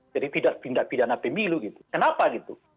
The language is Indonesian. jadi tidak pindah pidana pemilu gitu kenapa gitu